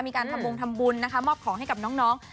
มีการทำบงทำบุญนะคะมอบของให้กับน้อง